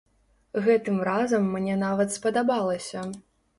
Гэтым разам мне нават спадабалася.